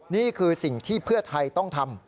นี่คือสิ่งที่เพื่อไทยต้องทำ